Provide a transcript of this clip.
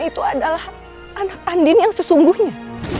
itu adalah anak andin yang sesungguhnya